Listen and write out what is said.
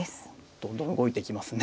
どんどん動いていきますね。